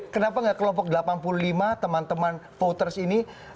kenapa nggak kelompok delapan puluh lima teman teman voters ini